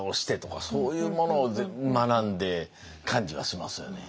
そういうものを学んで感じはしますよね。